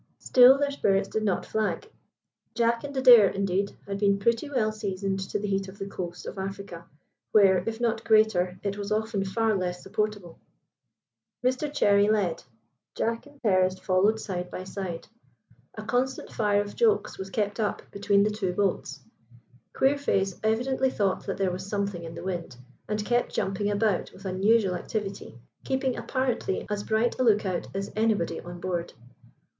Still their spirits did not flag. Jack and Adair, indeed, had been pretty well seasoned to the heat of the coast of Africa, where, if not greater, it was often far less supportable. Mr Cherry led: Jack and Terence followed side by side. A constant fire of jokes was kept up between the two boats. Queerface evidently thought that there was something in the wind, and kept jumping about with unusual activity, keeping apparently as bright a lookout as anybody on board.